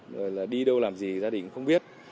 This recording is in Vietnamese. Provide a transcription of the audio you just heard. rồi là đi đâu làm gì gia đình cũng không biết